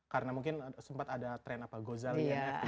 karena mungkin sempat ada tren apa gozali nft gitu ya